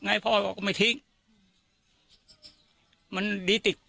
ไงพ่อเอาก็ไม่ทิ้ง